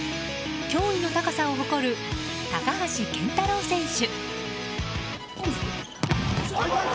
驚異の高さを誇る高橋健太郎選手。